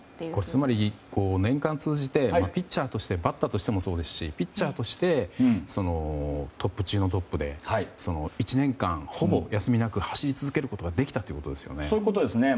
つまり、年間を通じてバッターとしてもそうですしピッチャーとしてトップ中のトップで１年間ほぼ休みなく走り続けることができたということですよね。